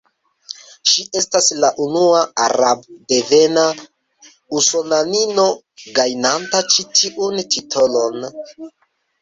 Ŝi estas la unua arabdevena usonanino, gajnanta ĉi tiun titolon.